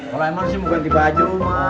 kalau emang sih bukan di baju